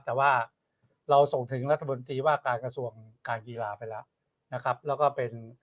แต่ว่าเราส่งถึงรัฐบนตรีว่าการกระทรวงการกีฬาไปแล้วนะครับแล้วก็เป็น